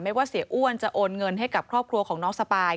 ว่าเสียอ้วนจะโอนเงินให้กับครอบครัวของน้องสปาย